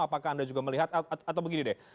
apakah anda juga melihat atau begini deh